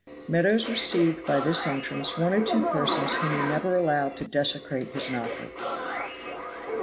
Meadows received by this entrance one or two persons whom he never allowed to desecrate his knocker.